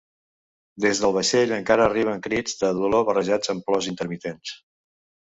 Des del vaixell encara arriben crits de dolor barrejats amb plors intermitents.